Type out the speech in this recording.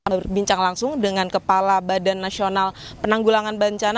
berbincang langsung dengan kepala badan nasional penanggulangan bencana